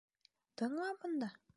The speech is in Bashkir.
Тыңла бында!